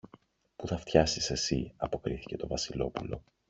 που θα φτιάσεις εσύ, αποκρίθηκε το Βασιλόπουλο.